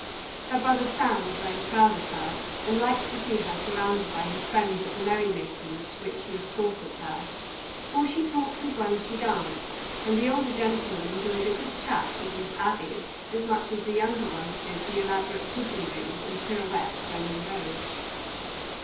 Her brother Sam was very proud of her, and liked to see her surrounded by his friends at the merry makings to which he escorted her; for she talked as well as she danced, and the older gentlemen enjoyed a good chat with Miss Abby as much as the younger ones did the elaborate pigeon wings and pirouettes then in vogue.